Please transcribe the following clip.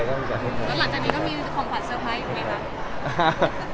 แล้วหลังจากนี้ก็มีของขวัญเตอร์ไพรส์อีกไหมคะ